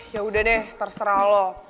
ya udah deh terserah loh